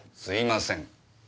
すいません。